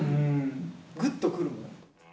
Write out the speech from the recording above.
ぐっとくるもんね。